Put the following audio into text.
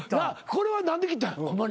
これは何で切ったん？